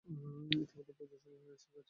ইতিমধ্যে পুজোর সময় কাছে এল।